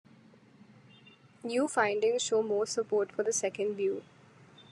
New findings show more support for the second view.